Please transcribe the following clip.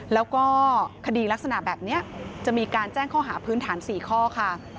แล้วก็คดีลักษณะแบบนี้จะมีการแจ้งข้อหาพื้นฐาน๔ข้อค่ะ